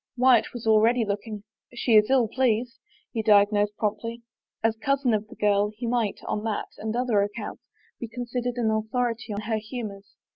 Wyatt was already looking. " She is ill pleased," he diagnosed promptly. As cousin of the girl, he might, on that and other accounts, be considered an authority on her humors.